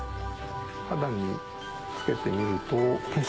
肌につけてみると。